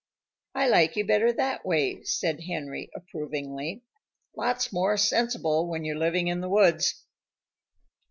"I like you better that way," said Henry approvingly. "Lots more sensible when you're living in the woods."